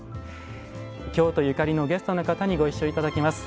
京都ゆかりのゲストの方にご一緒いただきます。